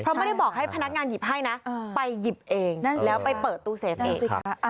เพราะไม่ได้บอกให้พนักงานหยิบให้นะไปหยิบเองแล้วไปเปิดตู้เสพติด